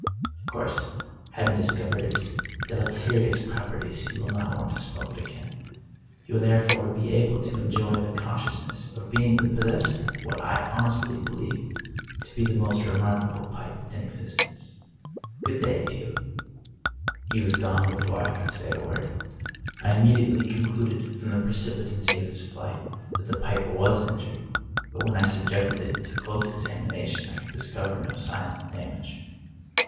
Of course, having discovered its deleterious prop erties, you will not want to smoke it again. You will therefore be able to enjoy the consciousness of being the possessor of what I honestly believe to be the most re markable pipe in existence. Good day, Pugh." He was gone before I could say a word. I immediately concluded, from the precipitancy of his flight, that the pipe was injured. But when I subjected it to close examination I could discover no signs of damage.